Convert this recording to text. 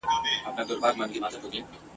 پرېږده چي لمبې پر نزله بلي کړي !.